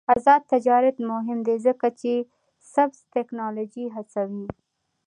آزاد تجارت مهم دی ځکه چې سبز تکنالوژي هڅوي.